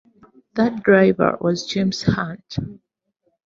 That driver was James Hunt.